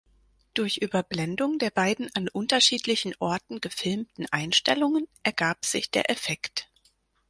Durch Überblendung der beiden an unterschiedlichen Orten gefilmten Einstellungen ergab sich der Effekt.